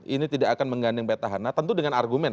ini tidak akan mengganding betahana tentu dengan argumen